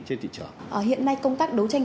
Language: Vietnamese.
trên thị trường hiện nay công tác đấu tranh